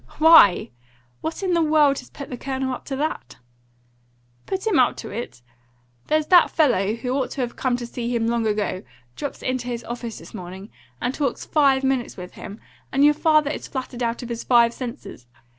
"Why! what in the world has put the Colonel up to that?" "Put him up to it! There's that fellow, who ought have come to see him long ago, drops into his office this morning, and talks five minutes with him, and your father is flattered out of his five senses.